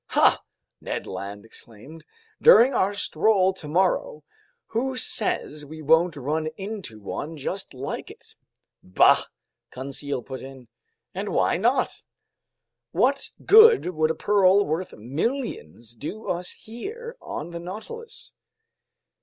"Ha!" Ned Land exclaimed. "During our stroll tomorrow, who says we won't run into one just like it?" "Bah!" Conseil put in. "And why not?" "What good would a pearl worth millions do us here on the Nautilus?"